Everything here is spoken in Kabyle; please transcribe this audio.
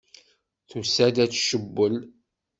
Tusa-d ad tcewwel.